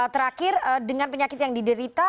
terakhir dengan penyakit yang diderita